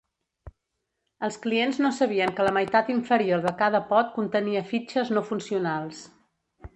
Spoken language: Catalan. Els clients no sabien que la meitat inferior de cada pot contenia fitxes no funcionals.